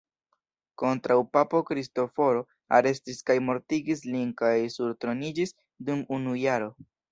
Kontraŭpapo Kristoforo arestis kaj mortigis lin kaj surtroniĝis dum unu jaro.